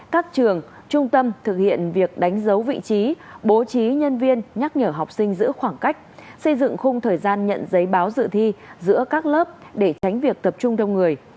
các trường trung tâm thực hiện việc đánh dấu vị trí bố trí nhân viên nhắc nhở học sinh giữ khoảng cách xây dựng khung thời gian nhận giấy báo dự thi giữa các lớp để tránh việc tập trung đông người